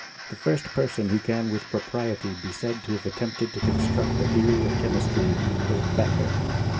The first person who can with propriety be said to have attempted to construct a theory of che mistry, was Beccher.